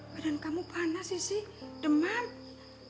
badan kamu panas sisi demam